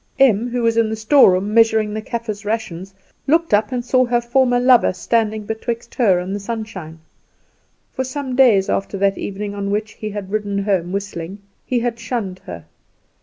Em, who was in the storeroom measuring the Kaffer's rations, looked up and saw her former lover standing betwixt her and the sunshine. For some days after that evening on which he had ridden home whistling he had shunned her.